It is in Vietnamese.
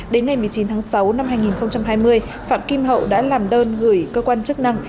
đến ngày một mươi chín tháng sáu năm hai nghìn hai mươi phạm kim hậu đã làm đơn gửi cơ quan chức năng